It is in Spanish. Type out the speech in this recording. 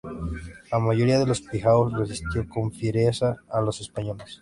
La mayoría de los Pijaos resistió con fiereza a los españoles.